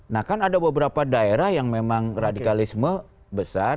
nah kan ada beberapa daerah yang memang radikalisme besar